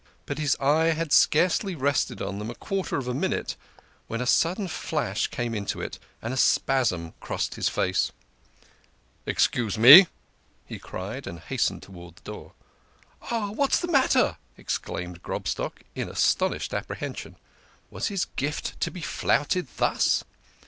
But his eye had scarcely rested on them a quarter of a minute when a sudden flash came into it, and a spasm crossed his face. 'GROBSTOCK RUMMAGED AMONG THEM." 32 THE KING OF SCHNORRERS. " Excuse me !" he cried, and hastened towards the door. " What's the matter? " exclaimed Grobstock, in astonished apprehension. Was his gift to be flouted thus